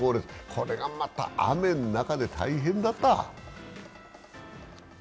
これがまた雨の中で大変だった。